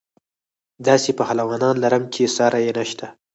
داسې پهلوانان لرم چې ساری یې نشته.